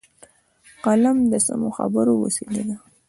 قلم د سمو خبرو وسیله ده